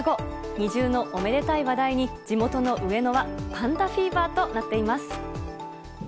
二重のおめでたい話題に、地元の上野はパンダフィーバーとなっています。